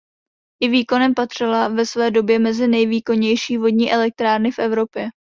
I výkonem patřila ve své době mezi nejvýkonnější vodní elektrárny v Evropě.